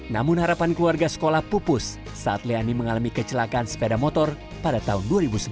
namun harapan keluarga sekolah pupus saat leani mengalami kecelakaan sepeda motor pada tahun dua ribu sebelas